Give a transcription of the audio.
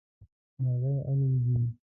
مرغی الوزي